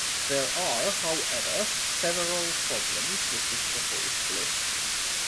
There are, however, several problems with this proposed list.